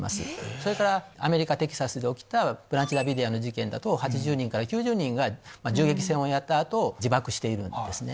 それからアメリカテキサスで起きたブランチ・ダビディアンの事件だと８０人から９０人が銃撃戦をやった後自爆しているんですね。